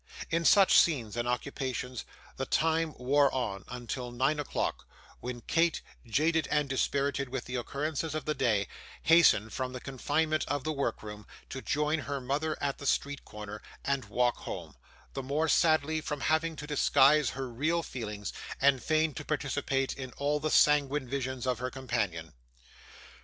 In such scenes and occupations the time wore on until nine o'clock, when Kate, jaded and dispirited with the occurrences of the day, hastened from the confinement of the workroom, to join her mother at the street corner, and walk home: the more sadly, from having to disguise her real feelings, and feign to participate in all the sanguine visions of her companion.